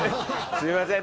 すいません。